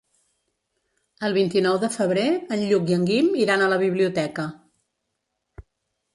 El vint-i-nou de febrer en Lluc i en Guim iran a la biblioteca.